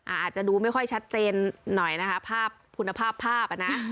อาจจะดูไม่ค่อยชัดเจนหน่อยนะคะภาพคุณภาพภาพอ่ะนะ